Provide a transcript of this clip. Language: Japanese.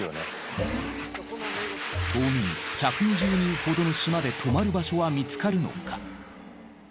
島民１２０人ほどの島で泊まる場所は見つかるのか？